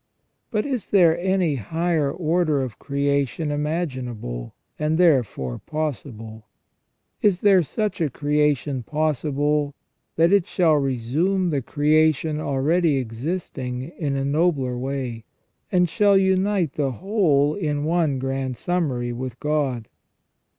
But is there any higher order of creation imaginable, and therefore possible ? Is there such a creation possible, that it shall resume the creation already existing in a nobler way, and shall unite the whole in one grand summary with God.